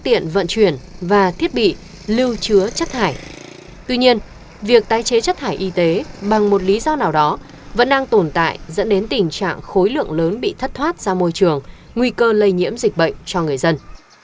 tuy nhiên việc tái chế chất thải y tế bằng một lý do nào đó vẫn đang tồn tại dẫn đến tình trạng khối lượng lớn bị thất thoát ra môi trường nguy cơ lây nhiễm dịch bệnh cho người dân